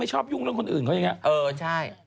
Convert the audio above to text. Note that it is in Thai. ไม่ชอบยุ่งเรื่องคนอื่นเขาอย่างงี้เออใช่